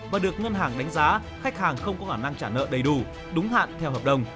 và được ngân hàng đánh giá khách hàng không có khả năng trả nợ đầy đủ đúng hạn theo hợp đồng